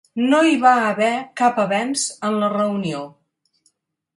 No hi va haver cap avenç en la reunió.